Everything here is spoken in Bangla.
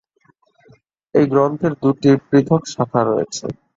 এই গ্রন্থের দুটি পৃথক শাখা রয়েছে।